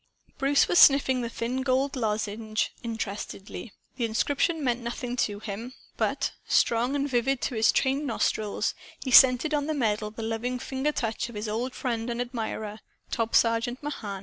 '" Bruce was sniffing the thin gold lozenge interestedly. The inscription meant nothing to him. But strong and vivid to his trained nostrils he scented on the medal the loving finger touch of his old friend and admirer, Top Sergeant Mahan.